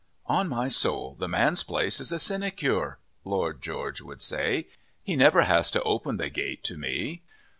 "On my soul, the man's place is a sinecure," Lord George would say; "he never has to open the gate to me."